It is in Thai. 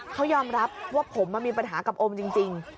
เขายอมรับว่าผมมีปัญหากับโอมจริง